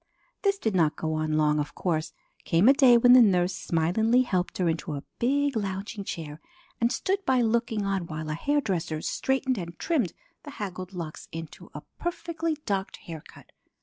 This did not go on long, of course. Came a day when the nurse smilingly helped her into a big lounging chair and stood by looking on while a hairdresser straightened and trimmed the haggled locks into a perfectly docked hair cut.